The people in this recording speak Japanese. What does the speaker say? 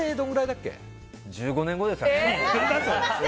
１５年後ですかね。